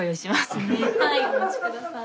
はいお待ち下さい。